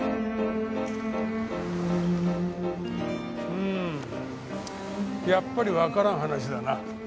うんやっぱりわからん話だな。